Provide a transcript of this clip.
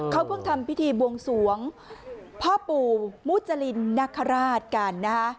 เขาเพิ่งทำพิธีบวงสวงพ่อปู่มุจรินนคราชกันนะคะ